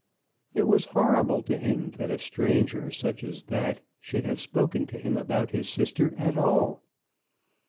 It was horrible to him that a stranger such as that should have spoken to him about his sister at all.